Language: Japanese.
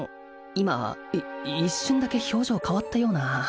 今一瞬だけ表情変わったような